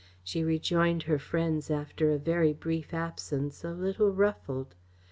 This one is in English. She rejoined her friends after a very brief absence, a little ruffled.